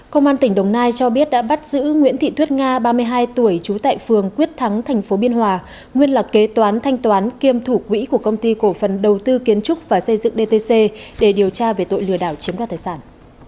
công an tỉnh đồng nai cho biết đã bắt giữ nguyễn thị thuyết nga ba mươi hai tuổi trú tại phường quyết thắng tp biên hòa nguyên là kế toán thanh toán kiêm thủ quỹ của công ty cổ phần đầu tư kiến trúc và xây dựng dtc để điều tra về tội lừa đảo chiếm đoạt tài sản